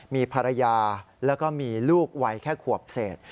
มีภรรยาแล้วก็มีลูกวัยแค่ขวบเศษ